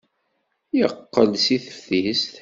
Yeqqel-d seg teftist.